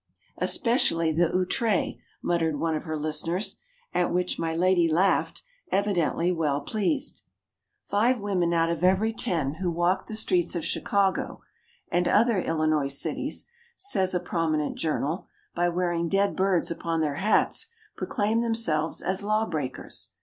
"Especially the outré," muttered one of her listeners, at which my lady laughed, evidently well pleased. Five women out of every ten who walk the streets of Chicago and other Illinois cities, says a prominent journal, by wearing dead birds upon their hats proclaim themselves as lawbreakers.